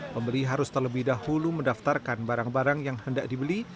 pembeli harus terlebih dahulu mendaftarkan barang barang yang hendak dibeli